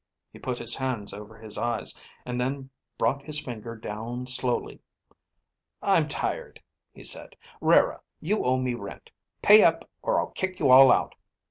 He put his hands over his eyes, and then brought his finger down slowly. "I'm tired," he said. "Rara, you owe me rent. Pay up or I'll kick you all out.